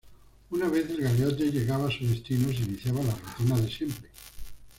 Una vez el galeote llegaba a su destino, se iniciaba la rutina de siempre.